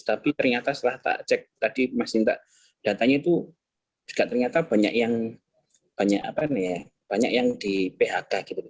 tapi ternyata setelah cek tadi mas intak datanya itu juga ternyata banyak yang di phk gitu